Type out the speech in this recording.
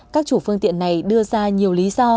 các chủ phương tiện này đưa ra nhiều lý do